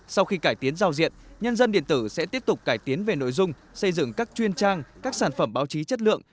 sau khi cải tiến giao diện nhân dân điện tử sẽ tiếp tục cải tiến về nội dung xây dựng các chuyên trang các sản phẩm báo chí chất lượng